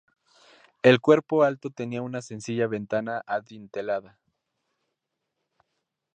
El cuerpo alto tenía una sencilla ventana adintelada.